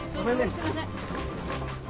すいません。